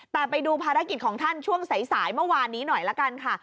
แต่ไปดูภารกิจของท่านช่วงสายเมื่อวานนี้หน่อยละกันค่ะ